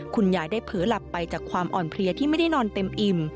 คุณยายได้เผลอหลับไปจากความอ่อนเพลียที่ไม่ได้นอนเต็มอิ่ม